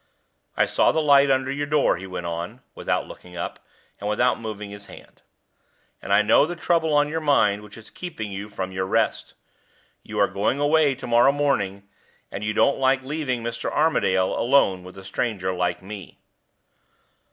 "I saw the light under your door," he went on, without looking up, and without moving his hand, "and I know the trouble on your mind which is keeping you from your rest. You are going away to morrow morning, and you don't like leaving Mr. Armadale alone with a stranger like me."